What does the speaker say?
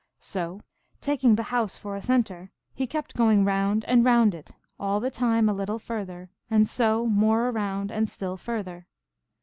So, taking the house for a centre, he kept going round and round it, all the time a little further, and so more around and still further.